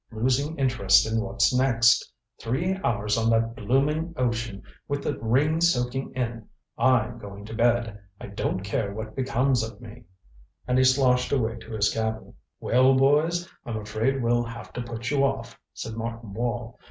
Losing interest in what's next. Three hours on that blooming ocean with the rain soaking in I'm going to bed. I don't care what becomes of me." And he sloshed away to his cabin. "Well, boys, I'm afraid we'll have to put you off," said Martin Wall.